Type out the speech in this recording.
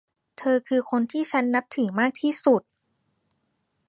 เธอคือคนที่ฉันนับถือมากที่สุด